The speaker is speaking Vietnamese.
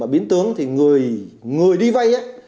biến tướng thì người đi vay